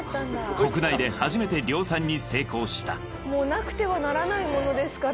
国内で初めて量産に成功したもうなくてはならないものですから。